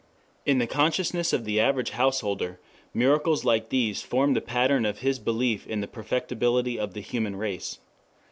In the consciousness of the average householder miracles like these formed the pattern of his belief in the perfectibility of the human race.